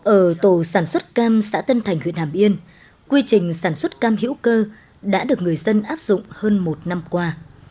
ở tổ sản xuất cam xã tân thành huyện hàm yên quy trình sản xuất cam hữu cơ đã được người dân áp dụng hơn một năm qua